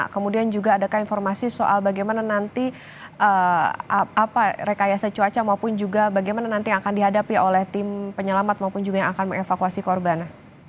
kemudian juga adakah informasi soal bagaimana nanti rekayasa cuaca maupun juga bagaimana nanti yang akan dihadapi oleh tim penyelamat maupun juga yang akan mengevakuasi korban